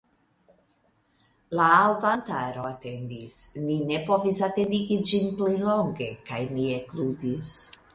La aŭdantaro atendis; ni ne povis atendigi ĝin pli longe, kaj ni ekludis.